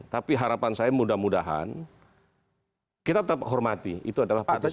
tapi harapan saya mudah mudahan kita tetap hormati itu adalah putusan